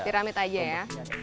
piramid saja ya